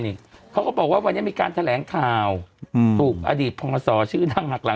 นี่เขาก็บอกว่าวันนี้มีการแถลงข่าวถูกอดีตพศชื่อดังหักหลัง